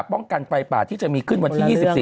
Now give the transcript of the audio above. ป้องกันไฟป่าที่จะมีขึ้นวันที่๒๔